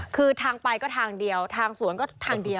คือทางไปก็ทางเดียวทางสวนก็ทางเดียว